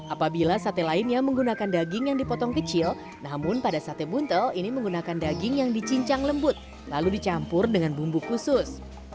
apabila sate lainnya menggunakan daging yang dipotong kecil namun pada sate buntel ini menggunakan daging yang dicincang lembut lalu dicampur dengan bumbu khusus